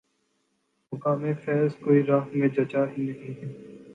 مقام فیضؔ کوئی راہ میں جچا ہی نہیں